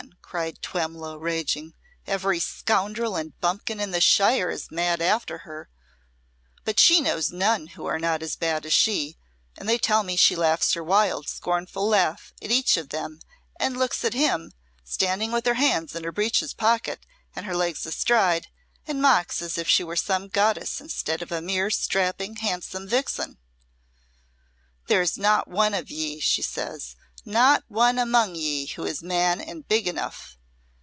cried Twemlow, raging, "every scoundrel and bumpkin in the shire is mad after her, but she knows none who are not as bad as she and they tell me she laughs her wild, scornful laugh at each of them and looks at him standing with her hands in her breeches pockets and her legs astride, and mocks as if she were some goddess instead of a mere strapping, handsome vixen. 'There is not one of ye,' she says, 'not one among ye who is man and big enough!'